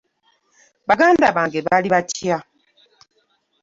Baganda bange bali batya?